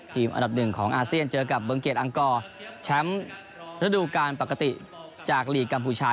ทีมอันดับ๑ของอาเซียนเจอกับเบิร์งเกียรติอังกอลแชมป์ระดูการปกติจากลีกกัมพูชา